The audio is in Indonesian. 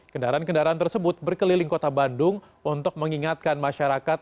kendaraan kendaraan tersebut berkeliling kota bandung untuk mengingatkan masyarakat